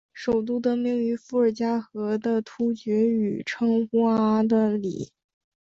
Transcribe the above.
首都得名于伏尔加河的突厥语称呼阿的里。